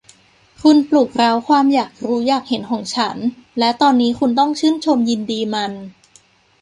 คุณปลุกเร้าความอยากรู้อยากเห็นของฉัน และตอนนี้คุณต้องชื่นชมยินดีมัน